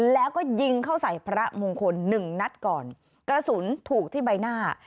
แล้วก็ยิงเข้าใส่พระมงคลหนึ่งนัดก่อนกระสุนถูกที่ใบหน้า